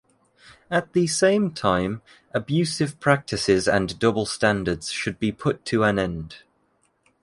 At the same time, abusive practices and double standards should be put to an end.